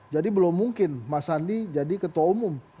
jadi belum mungkin mas sandi jadi ketua umum